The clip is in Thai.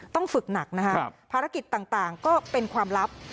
ต้องฝึกหนักนะฮะภารกิจต่างต่างก็เป็นความลับ